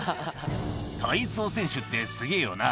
「体操選手ってすげぇよな」